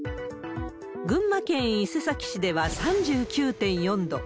群馬県伊勢崎市では３９．４度。